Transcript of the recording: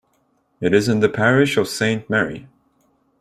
It is in the parish of Saint Mary.